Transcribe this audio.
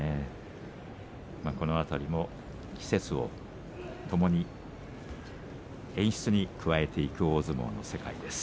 この辺りも季節をともに演出に加えていく大相撲です。